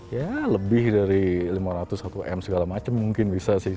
ya lebih dari lima ratus satu m segala macam mungkin bisa sih